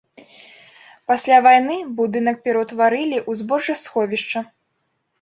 Пасля вайны будынак пераўтварылі ў збожжасховішча.